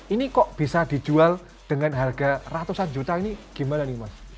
ini kok bisa dijual dengan harga ratusan juta ini gimana nih mas